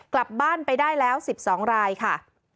กลับบ้านไปได้แล้ว๑๒รายค่ะ